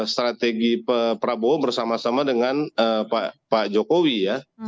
strategi prabowo bersama sama dengan pak jokowi ya